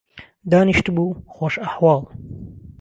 دانیشتبوو خۆش ئهحواڵ